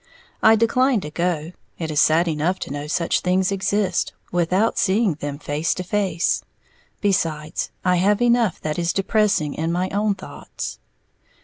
I declined to go, it is sad enough to know such things exist, without seeing them face to face. Besides, I have enough that is depressing in my own thoughts.